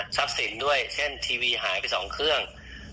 สินด้วยเช่นทีวีหายไป๒เครื่อง